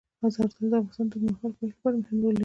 زردالو د افغانستان د اوږدمهاله پایښت لپاره مهم رول لري.